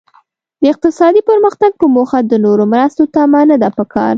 د اقتصادي پرمختګ په موخه د نورو مرستو تمه نده پکار.